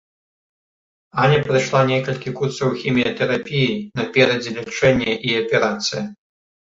Аня прайшла некалькі курсаў хіміятэрапіі, наперадзе лячэнне і аперацыя.